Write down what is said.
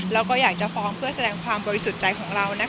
แล้วก็อยากจะฟ้องเพื่อแสดงความบริสุทธิ์ใจของเรา